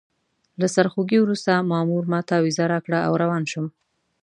له سرخوږي وروسته مامور ماته ویزه راکړه او روان شوم.